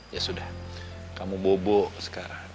ya sudah kamu bobo sekarang